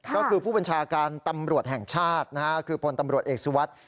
ก็คือผู้บัญชาการตำรวจแห่งชาติคือพลตำรวจเอกสุวัสดิ์